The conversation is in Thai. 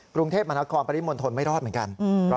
กรุงเทพมหานครปริมณฑลไม่รอดเหมือนกัน